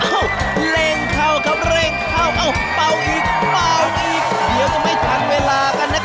อ้าวเล็งเข้าครับเล็งเข้าเบาอีกเบาอีกเดี๋ยวก็ไม่ทันเวลากันนะครับ